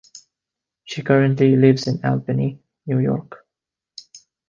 She currently lives in Albany, New York.